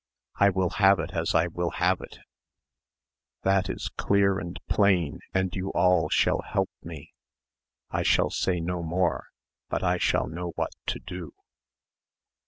I will have it as I will have it. That is clear and plain, and you all shall help me. I shall say no more. But I shall know what to do."